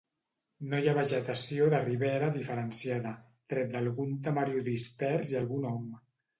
No hi ha vegetació de ribera diferenciada, tret d'algun tamariu dispers i algun om.